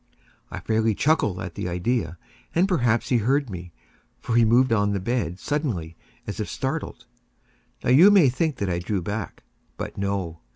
I fairly chuckled at the idea; and perhaps he heard me; for he moved on the bed suddenly, as if startled. Now you may think that I drew back—but no.